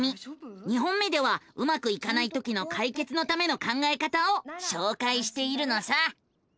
２本目ではうまくいかないときの解決のための考えた方をしょうかいしているのさ。